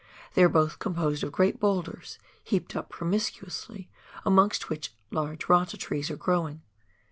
They are both composed of great boulders, heaped up promiscuously, amongst which large rata trees are growing.